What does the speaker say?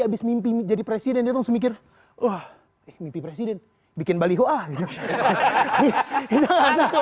abis mimpiiu jadi presiden itu semuken wah lempi presiden bikin bali perkayaanomthe